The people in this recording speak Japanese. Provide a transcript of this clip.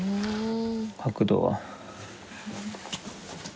角度は。